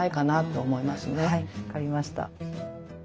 はい分かりました。